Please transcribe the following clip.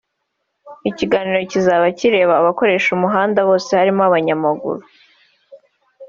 Ikiganiro kizaba kireba abakoresha umuhanda bose barimo abanyamaguru